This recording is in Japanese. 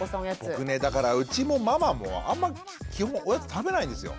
僕ねだからうちもママもあんま基本おやつ食べないんですよ。